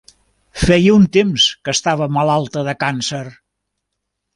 Feia un temps que estava malalta de càncer.